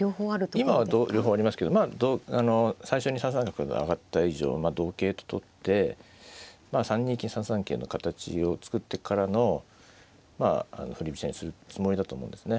今は両方ありますけどまあ最初に３三角が上がった以上同桂と取って３二金３三桂の形を作ってからの振り飛車にするつもりだったと思うんですね。